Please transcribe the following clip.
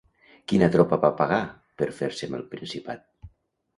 Quina tropa va pagar per fer-se amb el Principat?